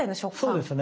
そうですね。